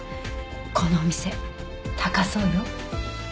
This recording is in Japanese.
このお店高そうよ。